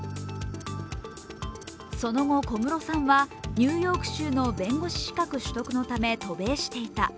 その後、小室さんはニューヨーク州の弁護士資格のため、渡米していた。